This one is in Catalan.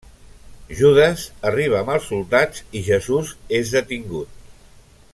Judes arriba amb els soldats, i Jesús és detingut.